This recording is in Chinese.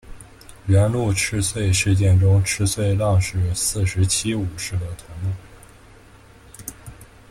元禄赤穗事件中赤穗浪士四十七武士的头目。